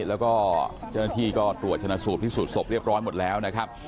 แล้วก็เจ้าหน้าที่ก็ตรวจชนะสูตรพิสูจนศพเรียบร้อยหมดแล้วนะครับ